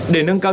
để nâng cao dụng